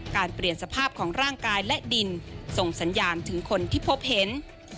เปลี่ยนสภาพของร่างกายและดินส่งสัญญาณถึงคนที่พบเห็น